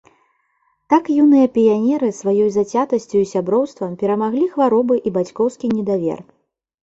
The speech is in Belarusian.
Так юныя піянеры сваёй зацятасцю і сяброўствам перамаглі хваробы і бацькоўскі недавер.